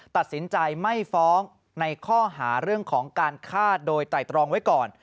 ตัดสินใจไม่ฟ้องในข้อหาเรื่องของการฆ่าโดยไตรตรองไว้ก่อน